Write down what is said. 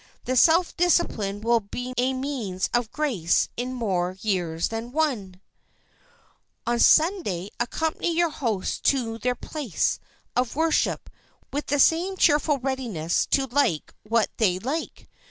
The self discipline will be a means of grace in more ways than one. [Sidenote: NEVER SHOW BOREDOM] On Sunday accompany your hosts to their place of worship with the same cheerful readiness to like what they like.